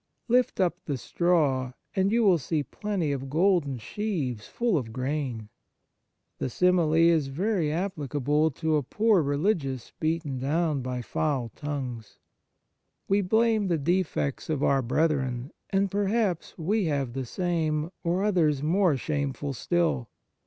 Lift up the straw, and you will see plenty of golden sheaves full of grain." The simile is very applicable to a poor religious beaten down by foul tongues. We blame the defects of our brethren, and perhaps we have the same, or others more shameful still.